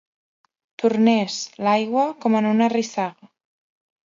Tornés, l'aigua, com en una rissaga.